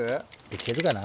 いけるかな？